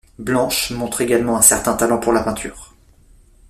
Blanche montre également un certain talent pour la peinture.